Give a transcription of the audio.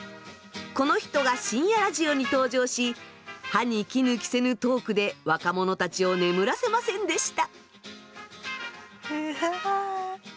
この人が深夜ラジオに登場し歯に衣着せぬトークで若者たちを眠らせませんでした。